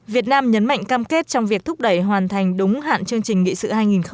việt nam nhấn mạnh cam kết trong việc thúc đẩy hoàn thành đúng hạn chương trình nghị sự hai nghìn ba mươi